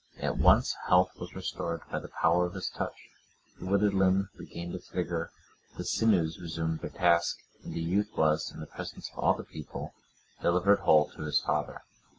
At once health was restored by the power of his touch, the withered limb regained its vigour, the sinews resumed their task, and the youth was, in the presence of all the people, delivered whole to his father.